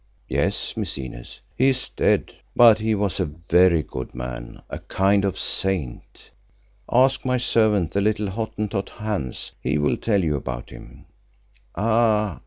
"Yes, Miss Inez. He is dead, but he was a very good man, a kind of saint. Ask my servant, the little Hottentot Hans; he will tell you about him." "Ah!